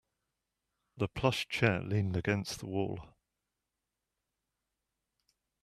The plush chair leaned against the wall.